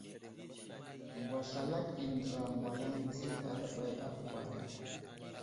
Ŋgwaslalak i andəra gwalaŋ di aləɓay avohw age.